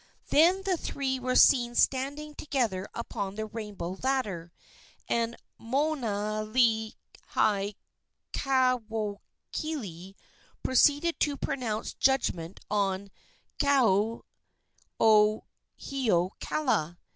Then the three were seen standing together upon the rainbow ladder, and Moanalihaikawaokele proceeded to pronounce judgment on Kaonohiokala.